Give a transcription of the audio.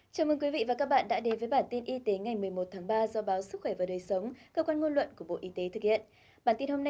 các bạn hãy đăng ký kênh để ủng hộ kênh của chúng mình nhé